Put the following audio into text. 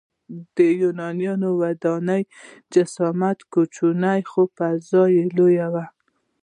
د یوناني ودانیو جسامت کوچنی خو فضا لویه وه.